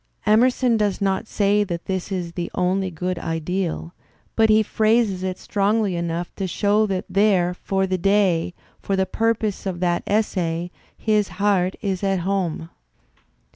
Emerson does not say that this is the only good ideal, but he phrases it strongly enough to show that there, for the day, for the pur poses of that essay, his heart is at home.